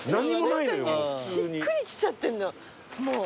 しっくりきちゃってんのもう。